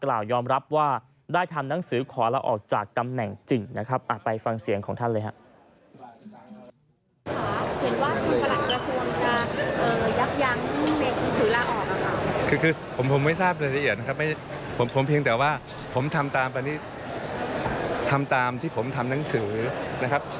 กล่าย่อมรับว่าได้ทำนังสือขอล่าออกจากตำแหน่งจริงนะครับ